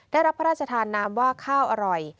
ได้รับพระราชทานนามว่าข้าวอร่อย